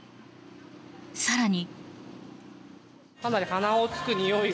更に。